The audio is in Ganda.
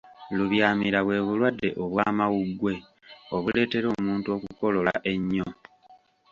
Lubyamira bwe bulwadde obw'amawuggwe obuleetera omuntu okukolola ennyo.